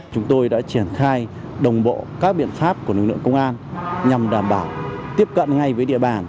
chúng tôi đã triển khai đồng bộ các biện pháp của lực lượng công an nhằm đảm bảo tiếp cận ngay với địa bàn